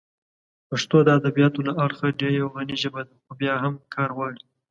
پښتو د ادبیاتو له اړخه یوه غني ژبه ده، خو بیا هم کار غواړي.